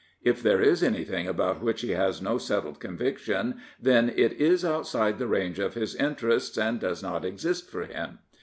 If there is anything about which he has no settled conviction then it is outside the range of his interests and does not exist for him.